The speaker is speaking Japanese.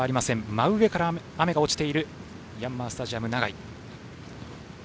真上から雨が落ちているヤンマースタジアム長居。